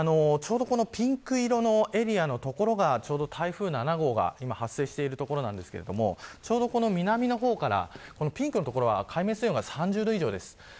ちょうど、ピンク色のエリアの所が台風７号が発生している所なんですが南の方からピンクの所は海面水温が３０度以上です。